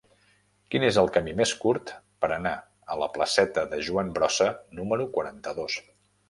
Quin és el camí més curt per anar a la placeta de Joan Brossa número quaranta-dos?